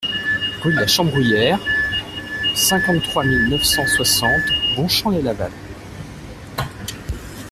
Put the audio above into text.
Rue de la Chambrouillère, cinquante-trois mille neuf cent soixante Bonchamp-lès-Laval